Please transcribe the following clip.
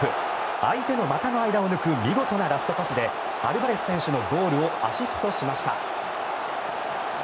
相手の股の間を抜く見事なラストパスでアルバレス選手のゴールをアシストしました。